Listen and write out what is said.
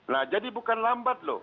lah jadi bukan lambat loh